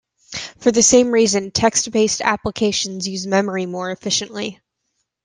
For the same reason, text-based applications use memory more efficiently.